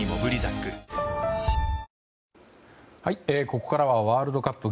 ここからはワールドカップ。